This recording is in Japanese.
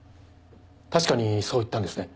確かにそう言ったんですね？